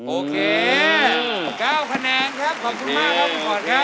โอเค๙คะแนนครับขอบคุณมากครับคุณขวัญครับ